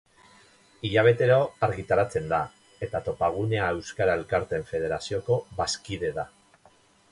Hilabetero argitaratzen da eta Topagunea Euskara Elkarteen Federazioko bazkide da.